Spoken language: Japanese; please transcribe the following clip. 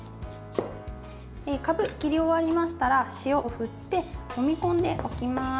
かぶ、切り終わりましたら塩を振ってもみこんでおきます。